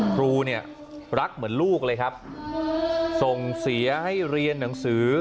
ครูเนี่ยรักเหมือนลูกเลยครับส่งเสียให้เรียนหนังสือ